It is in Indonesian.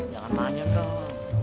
jangan manja dong